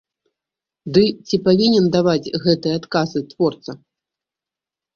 Ды ці павінен даваць гэтыя адказы творца?